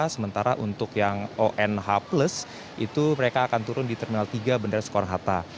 sementara untuk yang onh itu mereka akan turun di terminal tiga bandara soekarohata